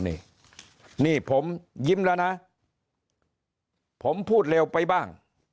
นี่นี่ผมยิ้มแล้วนะผมพูดเร็วไปบ้าง